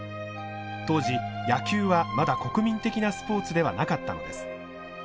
当時野球はまだ国民的なスポーツではなかったのです。